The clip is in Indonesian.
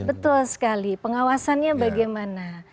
betul sekali pengawasannya bagaimana